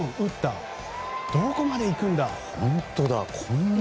どこまでいくんだ。